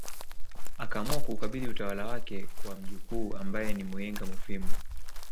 Akaamua kuukabidhi utawala wake kwa mjukuu ambaye ni Muyinga Mufwimi